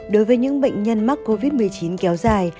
đối với những bệnh nhân mắc covid một mươi chín kéo dài